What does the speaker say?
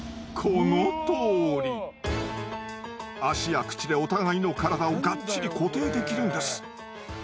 足や口でお互いの体をがっちり固定できるんです。